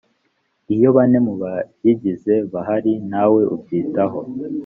iyo bane mu bayigize bahari ntawe ubyitaho